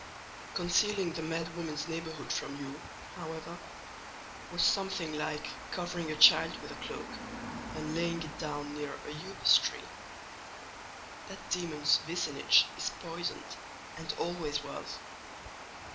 "Concealing the mad woman's neighbourhood from you, however, was something like covering a child with a cloak and laying it down near a upas tree: that demon's vicinage is poisoned, and always was.